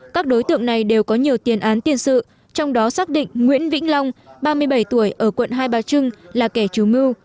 các đối tượng này đều có nhiều tiền án tiền sự trong đó xác định nguyễn vĩnh long ba mươi bảy tuổi ở quận hai bà trưng là kẻ chủ mưu